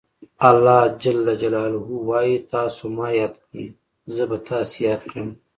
الله ج وایي تاسو ما یاد کړئ زه به تاسې یاد کړم.